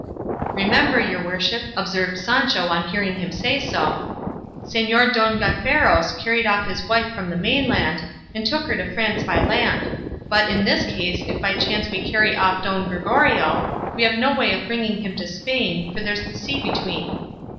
"Remember, your worship," observed Sancho on hearing him say so, "Señor Don Gaiferos carried off his wife from the mainland, and took her to France by land; but in this case, if by chance we carry off Don Gregorio, we have no way of bringing him to Spain, for there's the sea between."